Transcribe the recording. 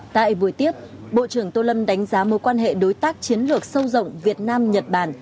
tại buổi tiếp bộ trưởng tô lâm đánh giá mối quan hệ đối tác chiến lược sâu rộng việt nam nhật bản